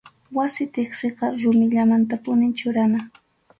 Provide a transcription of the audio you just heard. Wasi tiqsiqa rumillamantapunim churana.